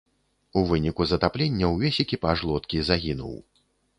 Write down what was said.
У выніку затаплення ўвесь экіпаж лодкі загінуў.